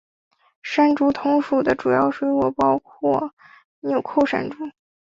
山竹同属的主要水果包括钮扣山竹。